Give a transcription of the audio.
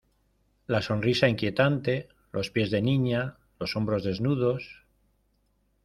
la sonrisa inquietante, los pies de niña , los hombros desnudos